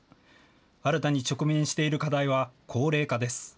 新たに直面している課題は高齢化です。